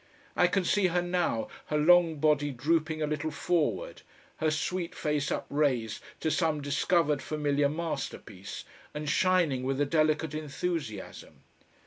I can see her now, her long body drooping a little forward, her sweet face upraised to some discovered familiar masterpiece and shining with a delicate enthusiasm.